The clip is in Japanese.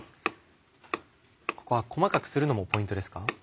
ここは細かくするのもポイントですか？